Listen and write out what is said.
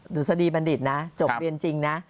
ดุษฎีบัณฑิตนะจบเรียนจริงนะ